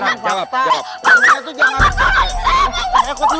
masa bengkel aku kucing